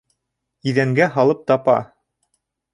Иҙәнгә һалып тапа!..